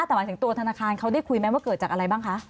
แต่หมายถึงตัวธนาคารเขาได้คุยไหมว่าเกิดจากอะไรบ้างคะ